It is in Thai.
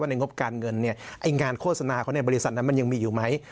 ว่าในงบการเงินงานโฆษณาของบริษัทนั้นมันยังมีอยู่ไหม